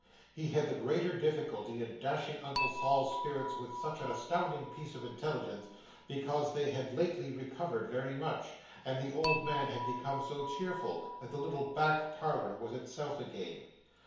He had the greater difficulty in dashing Uncle Sol's spirits with such an astounding piece of intelligence, because they had lately recovered very much, and the old man had become so cheerful, that the little back parlour was itself again.